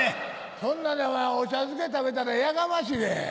そんなんでお茶漬け食べたらやかましいで。